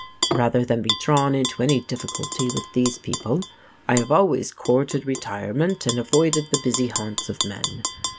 Rather than be drawn into any difficulty with these people, I have always courted retirement and avoided the busy haunts of men.